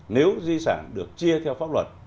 nếu duy sản được chia theo pháp luật